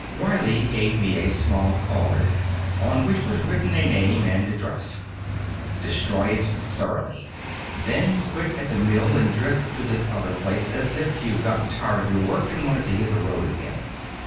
Riley gave me a small card on which was written a name and address. "Destroy it, thoroughly. Then quit at the mill and drift to this other place, as if you'd gotten tired of your work and wanted to hit the road again.